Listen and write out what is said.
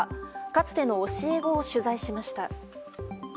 かつての教え子を取材しました。